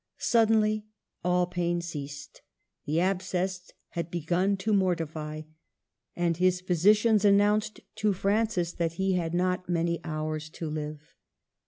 Suddenly all pain ceased. The abscess had begun to mortify, and his physicians announced to Francis that he had not many hours to live.